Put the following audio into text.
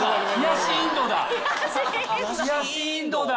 冷やしインドだ！